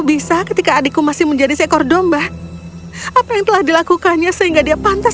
bisa ketika adikku masih menjadi seekor domba apa yang telah dilakukannya sehingga dia pantas